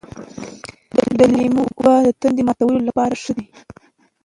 د لیمو اوبه د تندې ماتولو لپاره ښې دي.